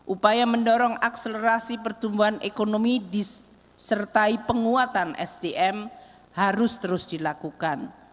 upaya mendorong akselerasi pertumbuhan ekonomi disertai penguatan sdm harus terus dilakukan